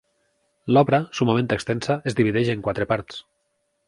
L'obra, summament extensa, es divideix en quatre parts.